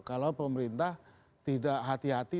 kalau pemerintah tidak hati hati